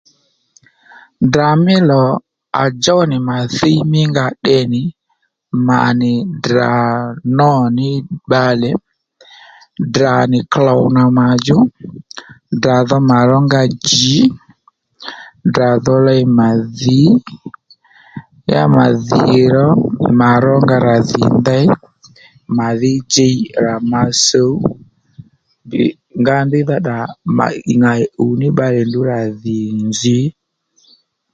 Ddrà mí lò à djów nì mà thíy mí nga tde nì mà nì Ddrà nô ní bbalè Ddrà nì klôw nà mà djú Ddrà dho mà rónga jì Ddrà dho ley mà dhǐ ya mà dhì ro mà rónga rà dhì ndey mà dhí djiy rà ma sǔw nga ndíydha tdrà mà ŋà ì ùw ní bbalè ndrǔ rà dhì nzǐ